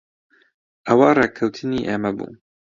ئەوە ڕێککەوتنی ئێمە بوو.